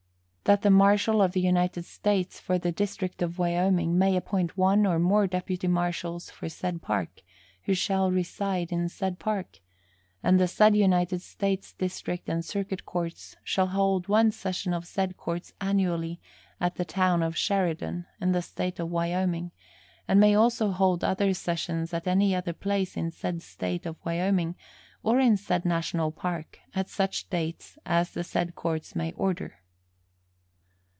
That the marshal of the United States for the district of Wyoming may appoint one or more deputy marshals for said Park, who shall reside in said Park, and the said United States district and circuit courts shall hold one session of said courts annually at the town of Sheridan, in the State of Wyoming, and may also hold other sessions at any other place in said State of Wyoming or in said National Park at such dates as the said courts may order.